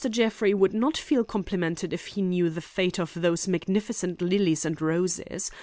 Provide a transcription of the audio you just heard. Jeffrey would not feel complimented if he knew the fate of those magnificent lilies and roses.